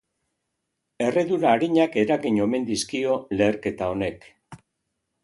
Erredura arinak eragin omen dizkio leherketa honek.